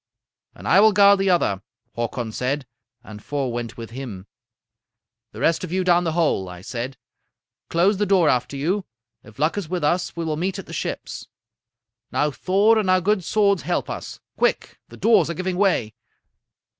"'And I will guard the other,' Hakon said, and four went with him. "'The rest of you, down the hole!' I said. 'Close the door after you. If luck is with us we will meet at the ships. Now Thor and our good swords help us! Quick! The doors are giving way.'